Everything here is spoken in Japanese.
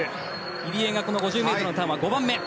入江がこの５０ｍのターンは５番目。